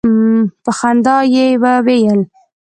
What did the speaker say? په خندا یې وویل.